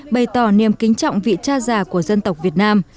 bày tỏ niềm kính trọng vị cha già của dân tộc việt nam